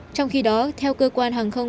trong khi đó theo cơ quan hàng không